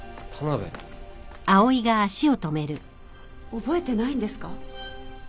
覚えてないんですか？